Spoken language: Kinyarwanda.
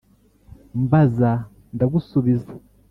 mbazza nda gusubiza